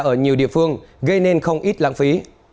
ở nhiều địa phương gây nên không ít lãng phí